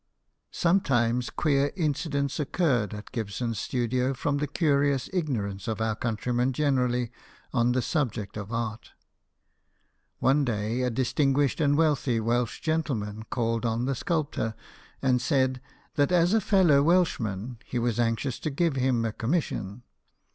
Sometimes queer incidents occurred at Gib son's studio from the curious ignorance of our countrymen generally on the subject of art. One day, a distinguished and wealthy Welsh gentleman called on the sculptor, and said that, as a fellow Welshman, he was anxious to give him a commission.